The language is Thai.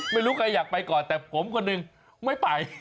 ไม่รู้ใครอยากไปก่อนแต่ผมคนหนึ่งไม่ไป